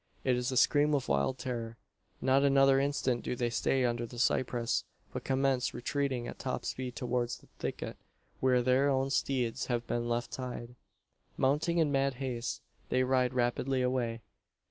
It is a scream of wild terror! Not another instant do they stay under the cypress; but commence retreating at top speed towards the thicket where their own steeds have been left tied. Mounting in mad haste, they ride rapidly away.